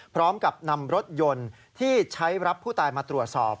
พร้อมกับนำรถยนต์ที่ใช้รับผู้ตายมาตรวจสอบ